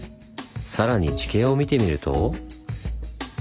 さらに地形を見てみると。